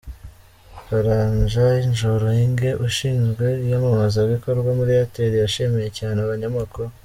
Karanja Njoroge ushinzwe iyamamazabikorwa muri Airtel yashimiye cyane abnayamakuru.